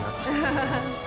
ハハハ。